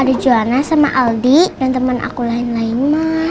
ada juana sama aldi dan temen aku lain lain ma